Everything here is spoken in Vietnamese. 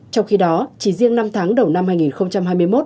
trong khi đó chỉ riêng năm tháng đầu năm hai nghìn hai mươi một